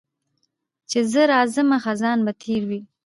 چي زه راځمه خزان به تېر وي